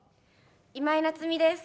今井菜津美です。